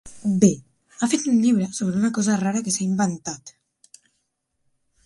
Bé, ha fet un llibre sobre una cosa rara que s'ha inventat.